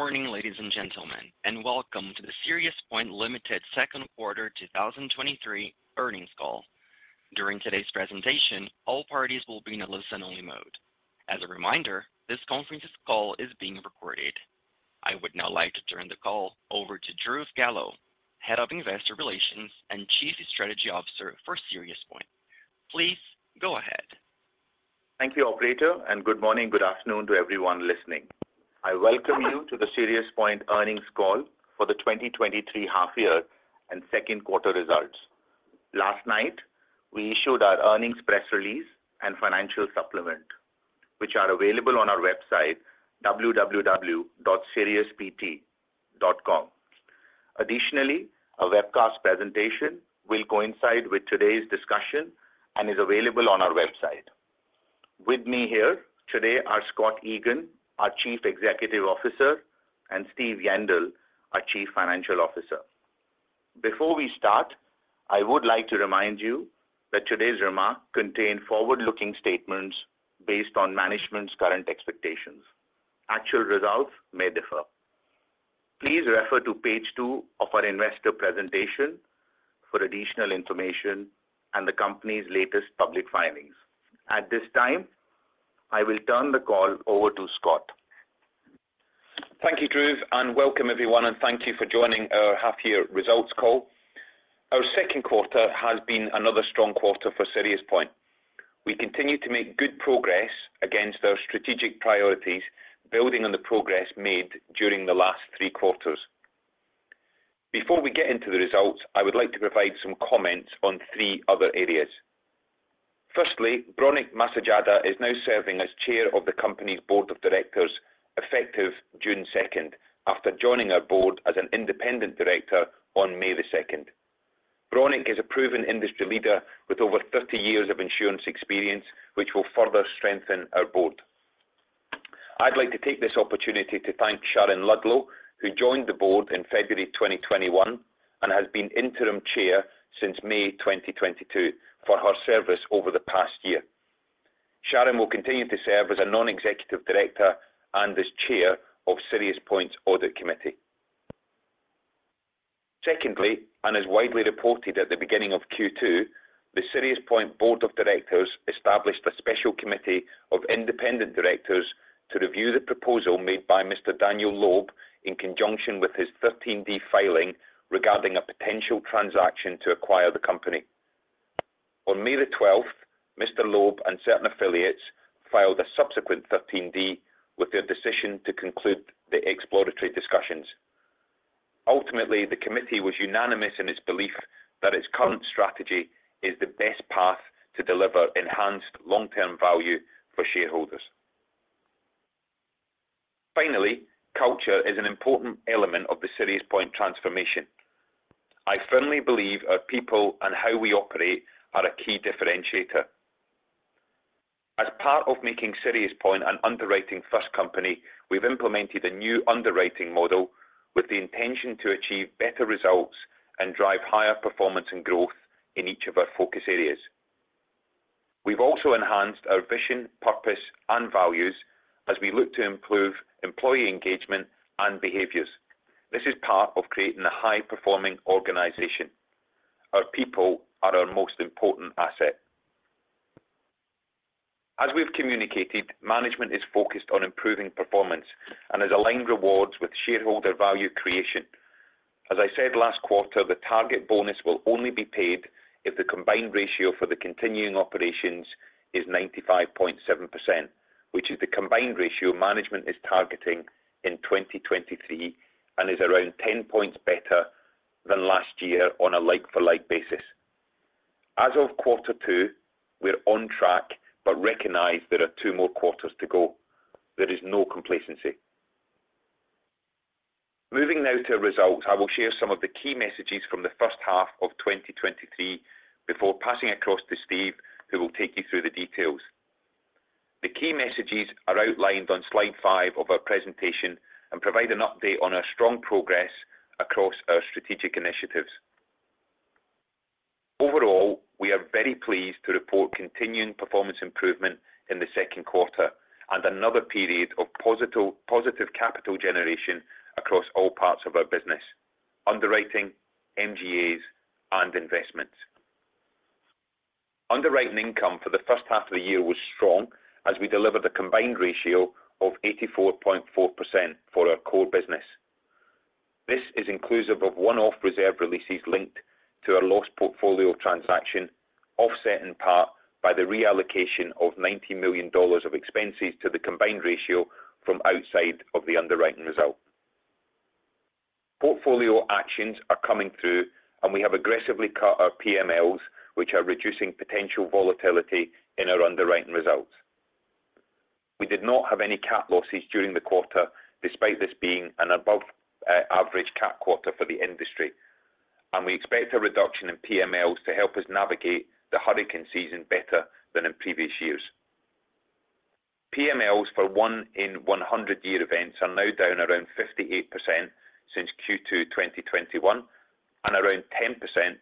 Good morning, ladies and gentlemen, welcome to the SiriusPoint Ltd. second quarter 2023 earnings call. During today's presentation, all parties will be in a listen-only mode. As a reminder, this conference's call is being recorded. I would now like to turn the call over to Dhruv Goyal, Head of Investor Relations and Chief Strategy Officer for SiriusPoint. Please go ahead. Thank you, operator. Good morning, good afternoon to everyone listening. I welcome you to the SiriusPoint earnings call for the 2023 half-year and second quarter results. Last night, we issued our earnings press release and financial supplement, which are available on our website, www.siriuspt.com. Additionally, a webcast presentation will coincide with today's discussion and is available on our website. With me here today are Scott Egan, our Chief Executive Officer, and Steve Yendall, our Chief Financial Officer. Before we start, I would like to remind you that today's remarks contain forward-looking statements based on management's current expectations. Actual results may differ. Please refer to page 2 of our investor presentation for additional information and the company's latest public filings. At this time, I will turn the call over to Scott. Thank you, Dhruv Goyal, and welcome everyone, and thank you for joining our half-year results call. Our second quarter has been another strong quarter for SiriusPoint. We continue to make good progress against our strategic priorities, building on the progress made during the last 3 quarters. Before we get into the results, I would like to provide some comments on 3 other areas. Firstly, Bronek Masojada is now serving as Chair of the company's Board of Directors, effective June 2nd, after joining our board as an independent director on May 2nd. Bronek is a proven industry leader with over 30 years of insurance experience, which will further strengthen our board. I'd like to take this opportunity to thank Sharon Ludlow, who joined the board in February 2021 and has been Interim Chair since May 2022, for her service over the past year. Sharon will continue to serve as a non-executive director and as Chair of SiriusPoint's Audit Committee. Secondly, as widely reported at the beginning of Q2, the SiriusPoint Board of Directors established a special committee of Independent Directors to review the proposal made by Mr. Daniel Loeb, in conjunction with his 13D filing, regarding a potential transaction to acquire the company. On May 12th, Mr. Loeb and certain affiliates filed a subsequent 13D with their decision to conclude the exploratory discussions. Ultimately, the committee was unanimous in its belief that its current strategy is the best path to deliver enhanced long-term value for shareholders. Finally, culture is an important element of the SiriusPoint transformation. I firmly believe our people and how we operate are a key differentiator. As part of making SiriusPoint an underwriting-first company, we've implemented a new underwriting model with the intention to achieve better results and drive higher performance and growth in each of our focus areas. We've also enhanced our vision, purpose, and values as we look to improve employee engagement and behaviors. This is part of creating a high-performing organization. Our people are our most important asset. As we've communicated, management is focused on improving performance and has aligned rewards with shareholder value creation. As I said last quarter, the target bonus will only be paid if the combined ratio for the continuing operations is 95.7%, which is the combined ratio management is targeting in 2023 and is around 10 points better than last year on a like-for-like basis. As of quarter two, we're on track. Recognize there are 2 more quarters to go. There is no complacency. Moving now to results, I will share some of the key messages from the first half of 2023 before passing across to Steve, who will take you through the details. The key messages are outlined on Slide 5 of our presentation and provide an update on our strong progress across our strategic initiatives. Overall, we are very pleased to report continuing performance improvement in the second quarter and another period of positive capital generation across all parts of our business: underwriting, MGAs, and investments. Underwriting income for the first half of the year was strong as we delivered a combined ratio of 84.4% for our core business. This is inclusive of one-off reserve releases linked to our loss portfolio transaction, offset in part by the reallocation of $90 million of expenses to the combined ratio from outside of the underwriting result. Portfolio actions are coming through, and we have aggressively cut our PMLs, which are reducing potential volatility in our underwriting results. We did not have any cat losses during the quarter, despite this being an above average cat quarter for the industry, and we expect a reduction in PMLs to help us navigate the hurricane season better than in previous years. PMLs for 1 in 100 year events are now down around 58% since Q2 2021, and around 10%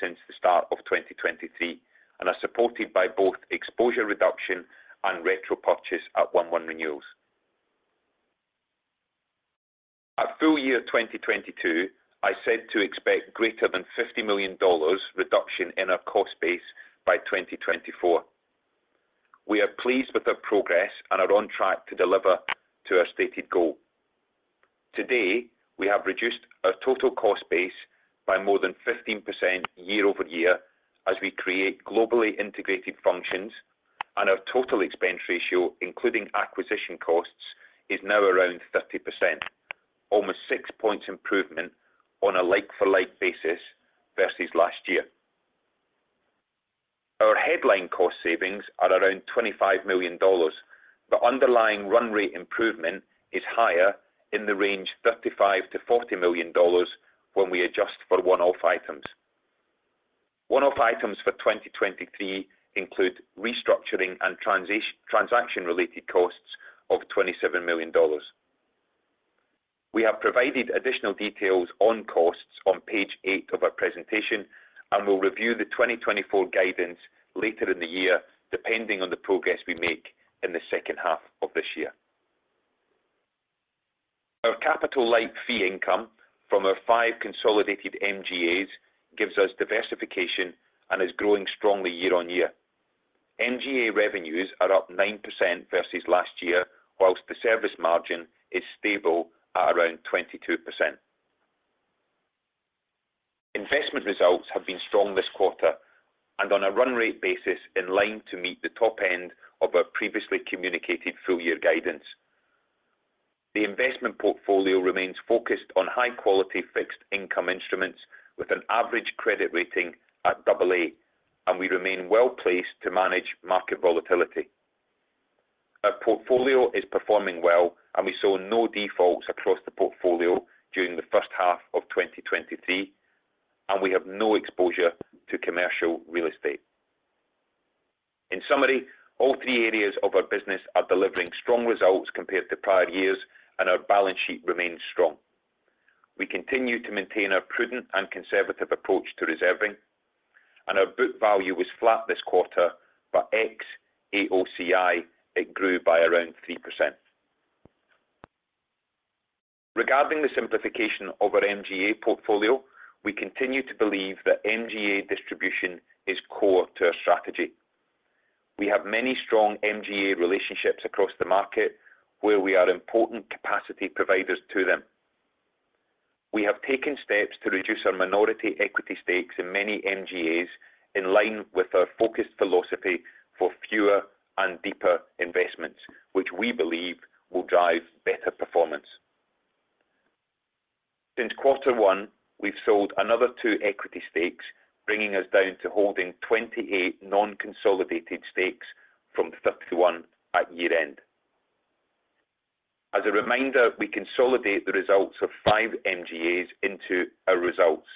since the start of 2023, and are supported by both exposure reduction and retro purchase at one one renewals. At full-year 2022, I said to expect greater than $50 million reduction in our cost base by 2024. We are pleased with our progress and are on track to deliver to our stated goal. Today, we have reduced our total cost base by more than 15% year-over-year as we create globally integrated functions, and our total expense ratio, including acquisition costs, is now around 30%, almost 6 points improvement on a like-for-like basis versus last year. Our headline cost savings are around $25 million. The underlying run rate improvement is higher in the range $35 million-$40 million when we adjust for one-off items. One-off items for 2023 include restructuring and transaction-related costs of $27 million. We have provided additional details on costs on Page 8 of our presentation. We'll review the 2024 guidance later in the year, depending on the progress we make in the second half of this year. Our capital-light fee income from our five consolidated MGAs gives us diversification and is growing strongly year-on-year. MGA revenues are up 9% versus last year, while the service margin is stable at around 22%. Investment results have been strong this quarter and on a run rate basis, in line to meet the top end of our previously communicated full year guidance. The investment portfolio remains focused on high-quality fixed income instruments with an average credit rating at AA. We remain well-placed to manage market volatility. Our portfolio is performing well. We saw no defaults across the portfolio during the first half of 2023, and we have no exposure to commercial real estate. In summary, all three areas of our business are delivering strong results compared to prior years. Our balance sheet remains strong. We continue to maintain our prudent and conservative approach to reserving. Our book value was flat this quarter. Ex-AOCI, it grew by around 3%. Regarding the simplification of our MGA portfolio, we continue to believe that MGA distribution is core to our strategy. We have many strong MGA relationships across the market, where we are important capacity providers to them. We have taken steps to reduce our minority equity stakes in many MGAs, in line with our focused philosophy for fewer and deeper investments, which we believe will drive better performance. Since quarter one, we've sold another two equity stakes, bringing us down to holding 28 non-consolidated stakes from 31 at year-end. As a reminder, we consolidate the results of five MGAs into our results.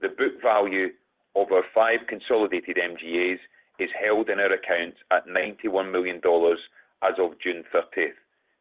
The book value of our five consolidated MGAs is held in our accounts at $91 million as of June 30th,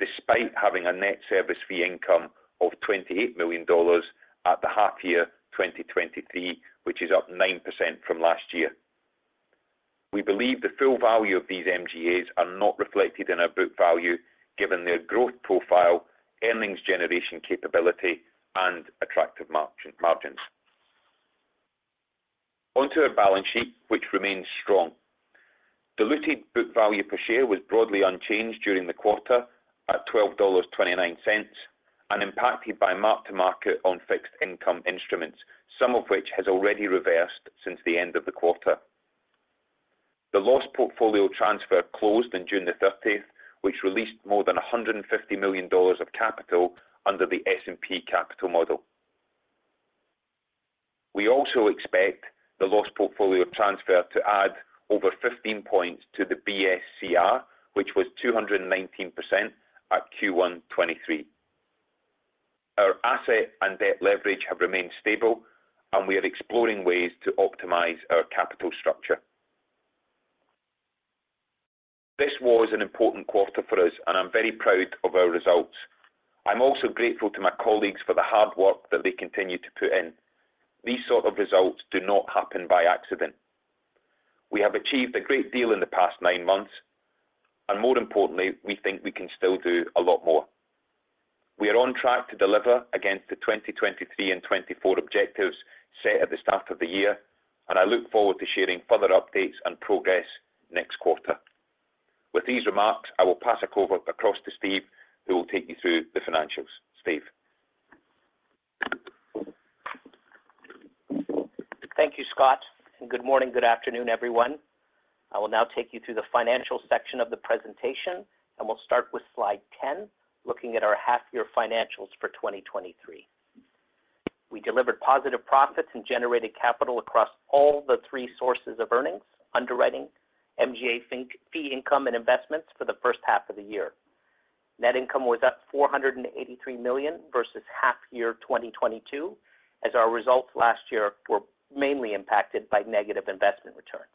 despite having a net service fee income of $28 million at the half year 2023, which is up 9% from last year. We believe the full value of these MGAs are not reflected in our book value, given their growth profile, earnings generation capability, and attractive margins. Onto our balance sheet, which remains strong. Diluted book value per share was broadly unchanged during the quarter at $12.29 and impacted by mark to market on fixed income instruments, some of which has already reversed since the end of the quarter. The loss portfolio transfer closed on June the 30th, which released more than $150 million of capital under the S&P capital model. We also expect the loss portfolio transfer to add over 15 points to the BSCR, which was 219% at Q1 2023. Our asset and debt leverage have remained stable, and we are exploring ways to optimize our capital structure. This was an important quarter for us, and I'm very proud of our results. I'm also grateful to my colleagues for the hard work that they continue to put in. These sort of results do not happen by accident. We have achieved a great deal in the past nine months, and more importantly, we think we can still do a lot more. We are on track to deliver against the 2023 and 2024 objectives set at the start of the year. I look forward to sharing further updates and progress next quarter. With these remarks, I will pass it over across to Steve, who will take you through the financials. Steve? Thank you, Scott, good morning, good afternoon, everyone. I will now take you through the financial section of the presentation, we'll start with Slide 10, looking at our half-year financials for 2023. We delivered positive profits and generated capital across all the three sources of earnings: underwriting, MGA fee income, and investments for the first half of the year. Net income was up $483 million versus half-year 2022, as our results last year were mainly impacted by negative investment returns.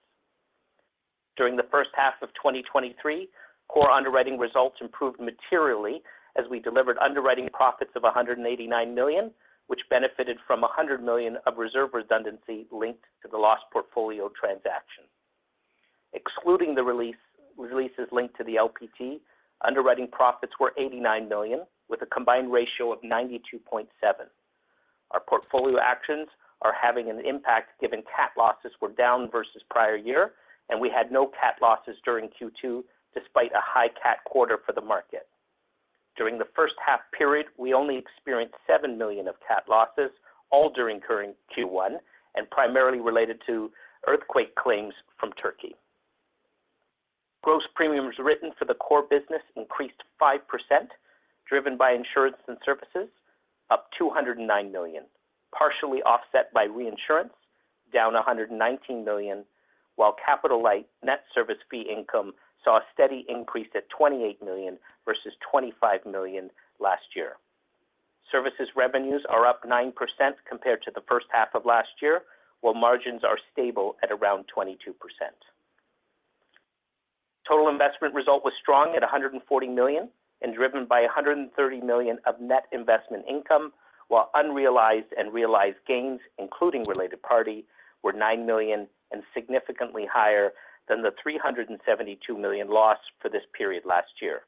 During the first half of 2023, core underwriting results improved materially as we delivered underwriting profits of $189 million, which benefited from $100 million of reserve redundancy linked to the loss portfolio transaction. Excluding the releases linked to the LPT, underwriting profits were $89 million, with a combined ratio of 92.7%. Our portfolio actions are having an impact, given cat losses were down versus prior year, and we had no cat losses during Q2, despite a high cat quarter for the market. During the first half period, we only experienced $7 million of cat losses, all during current Q1, and primarily related to earthquake claims from Turkey. Gross premiums written for the core business increased 5%, driven by insurance and services, up $209 million, partially offset by reinsurance, down $119 million, while capital light net service fee income saw a steady increase at $28 million versus $25 million last year. Services revenues are up 9% compared to the first half of last year, while margins are stable at around 22%. Total investment result was strong at $140 million and driven by $130 million of net investment income, while unrealized and realized gains, including related party, were $9 million and significantly higher than the $372 million loss for this period last year.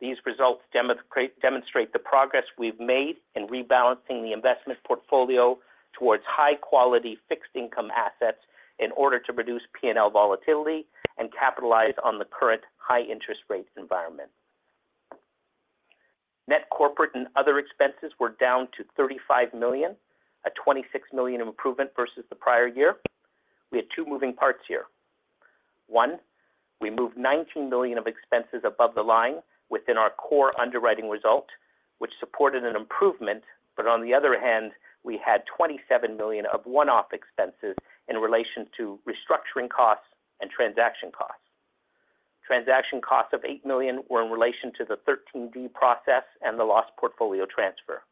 These results demonstrate the progress we've made in rebalancing the investment portfolio towards high-quality fixed income assets in order to reduce P&L volatility and capitalize on the current high interest rates environment. Net corporate and other expenses were down to $35 million, a $26 million improvement versus the prior year. We had two moving parts here. One, we moved $19 million of expenses above the line within our core underwriting result, which supported an improvement, but on the other hand, we had $27 million of one-off expenses in relation to restructuring costs and transaction costs. Transaction costs of $8 million were in relation to the 13D process and the loss portfolio transfer.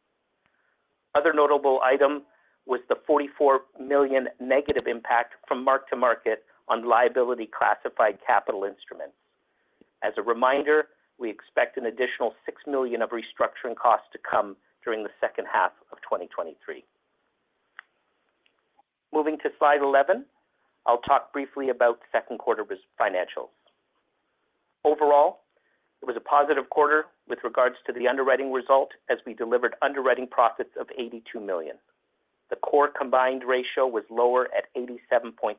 Other notable item was the $44 million negative impact from mark-to-market on liability-classified capital instruments. As a reminder, we expect an additional $6 million of restructuring costs to come during the second half of 2023. Moving to Slide 11, I'll talk briefly about second quarter financials. Overall, it was a positive quarter with regards to the underwriting result, as we delivered underwriting profits of $82 million. The core combined ratio was lower at 87.7%,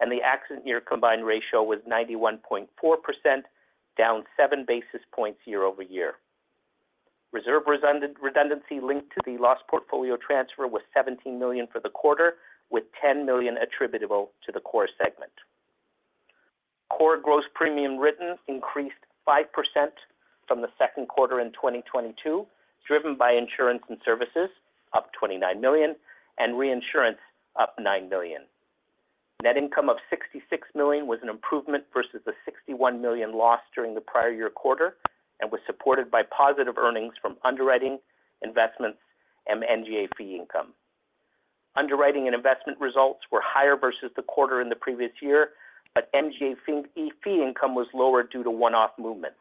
and the accident year combined ratio was 91.4%, down 7 basis points year-over-year. Reserve redundancy linked to the loss portfolio transfer was $17 million for the quarter, with $10 million attributable to the core segment. Core gross premium written increased 5% from the second quarter in 2022, driven by Insurance and Services, up $29 million, and reinsurance, up $9 million. Net income of $66 million was an improvement versus the $61 million loss during the prior year quarter and was supported by positive earnings from underwriting, investments, and MGA fee income. Underwriting and investment results were higher versus the quarter in the previous year, but MGA fee income was lower due to one-off movements.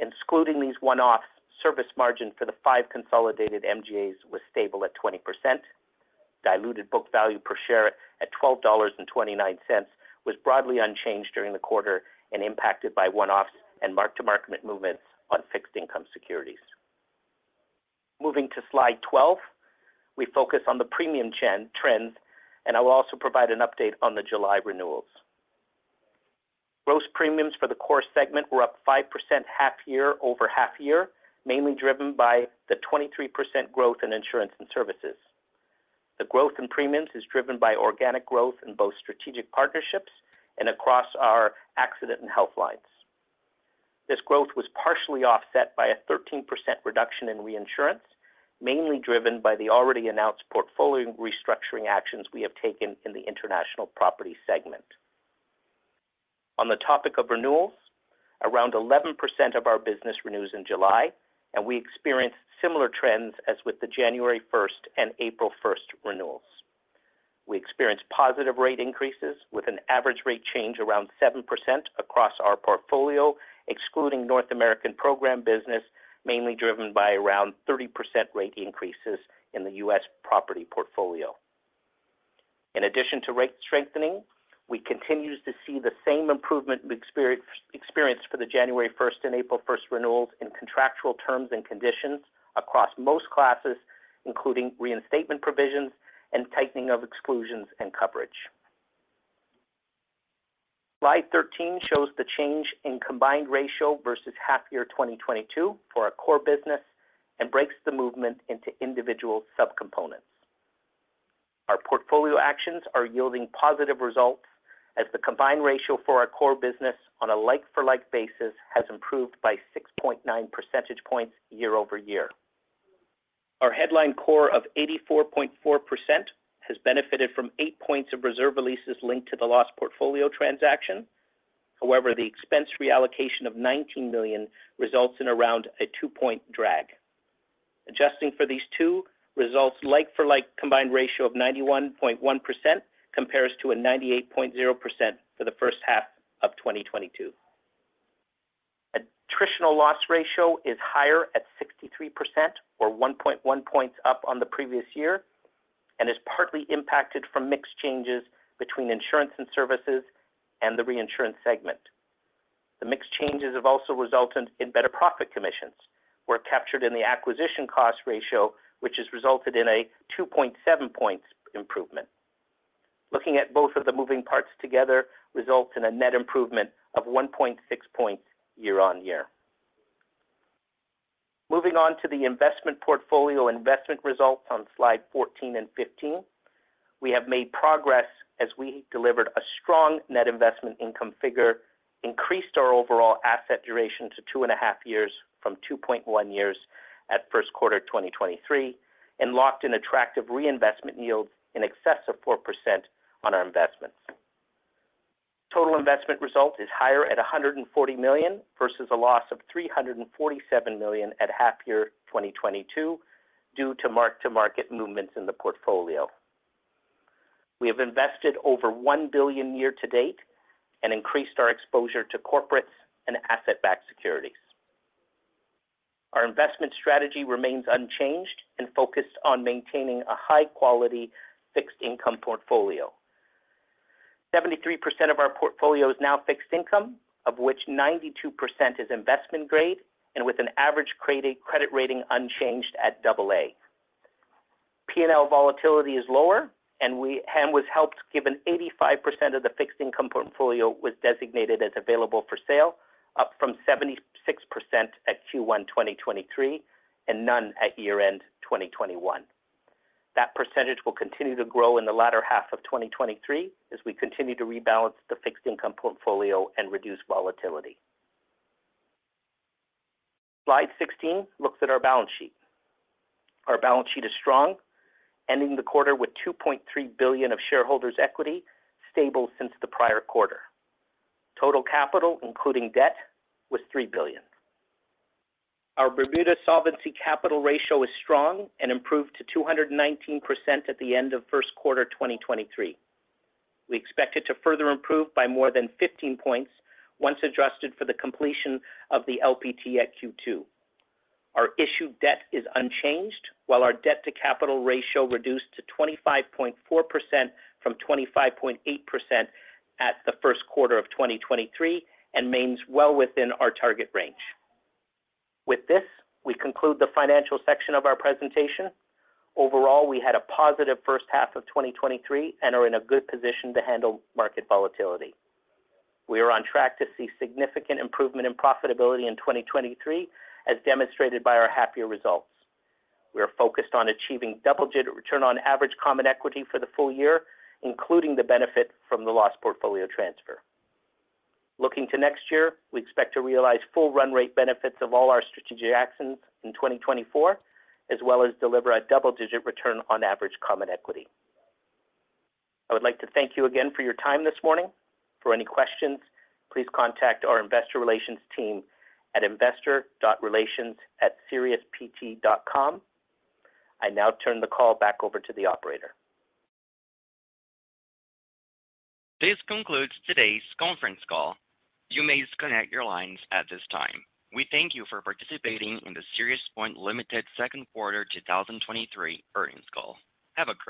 Excluding these one-offs, service margin for the five consolidated MGAs was stable at 20%. Diluted book value per share at $12.29 was broadly unchanged during the quarter and impacted by one-offs and mark-to-market movements on fixed income securities. Moving to Slide 12, we focus on the premium trends, and I will also provide an update on the July renewals. Gross premiums for the core segment were up 5% half-year-over-half-year, mainly driven by the 23% growth in insurance and services. The growth in premiums is driven by organic growth in both strategic partnerships and across our Accident & Health lines. This growth was partially offset by a 13% reduction in reinsurance, mainly driven by the already announced portfolio restructuring actions we have taken in the international property segment. On the topic of renewals, around 11% of our business renews in July, and we experienced similar trends as with the January 1st and April 1st renewals. We experienced positive rate increases, with an average rate change around 7% across our portfolio, excluding North American program business, mainly driven by around 30% rate increases in the U.S. property portfolio. In addition to rate strengthening, we continue to see the same improvement experience, experienced for the January 1st and April 1st renewals in contractual terms and conditions across most classes, including reinstatement provisions and tightening of exclusions and coverage. Slide 13 shows the change in combined ratio versus half year 2022 for our core business and breaks the movement into individual subcomponents. Our portfolio actions are yielding positive results as the combined ratio for our core business on a like for like basis has improved by 6.9% points year-over-year. Our headline core of 84.4% has benefited from 8 points of reserve releases linked to the loss portfolio transaction. However, the expense reallocation of $19 million results in around a 2-point drag. Adjusting for these two results, like-for-like combined ratio of 91.1% compares to a 98.0% for the first half of 2022. attritional loss ratio is higher at 63% or 1.1 points up on the previous year, and is partly impacted from mix changes between Insurance and Services and the Reinsurance segment. The mix changes have also resulted in better profit commissions, were captured in the acquisition cost ratio, which has resulted in a 2.7 points improvement. Looking at both of the moving parts together, results in a net improvement of 1.6 points year-on-year. Moving on to the investment portfolio investment results on Slide 14 and 15. We have made progress as we delivered a strong net investment income figure, increased our overall asset duration to 2.5 years from 2.1 years at first quarter 2023, and locked in attractive reinvestment yields in excess of 4% on our investments. Total investment result is higher at $140 million versus a loss of $347 million at half-year 2022, due to mark-to-market movements in the portfolio. We have invested over $1 billion year-to-date and increased our exposure to corporates and asset-backed securities. Our investment strategy remains unchanged and focused on maintaining a high-quality fixed income portfolio. 73% of our portfolio is now fixed income, of which 92% is investment grade and with an average credit, credit rating unchanged at AA. P&L volatility is lower and was helped, given 85% of the fixed income portfolio was designated as available-for-sale, up from 76% at Q1 2023 and none at year-end 2021. That percentage will continue to grow in the latter half of 2023 as we continue to rebalance the fixed income portfolio and reduce volatility. Slide 16 looks at our balance sheet. Our balance sheet is strong, ending the quarter with $2.3 billion of shareholders' equity, stable since the prior quarter. Total capital, including debt, was $3 billion. Our Bermuda solvency capital ratio is strong and improved to 219% at the end of first quarter 2023. We expect it to further improve by more than 15 points once adjusted for the completion of the LPT at Q2. Our issued debt is unchanged, while our debt to capital ratio reduced to 25.4% from 25.8% at the first quarter of 2023, and remains well within our target range. With this, we conclude the financial section of our presentation. Overall, we had a positive first half of 2023 and are in a good position to handle market volatility. We are on track to see significant improvement in profitability in 2023, as demonstrated by our half-year results. We are focused on achieving double-digit return on average common equity for the full year, including the benefit from the loss portfolio transfer. Looking to next year, we expect to realize full run rate benefits of all our strategic actions in 2024, as well as deliver a double-digit return on average common equity. I would like to thank you again for your time this morning. For any questions, please contact our investor relations team at investor.relations@siriuspt.com. I now turn the call back over to the operator. This concludes today's conference call. You may disconnect your lines at this time. We thank you for participating in the SiriusPoint Ltd. second quarter 2023 earnings call. Have a great day.